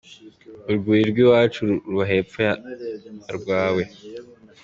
Urwuri rwiwacu ruba hepfo yarwawe.